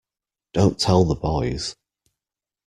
Don't tell the boys!